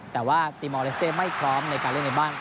แต่ว่าตีมอลเลสเต้ไม่พร้อมในการเล่นในบ้าน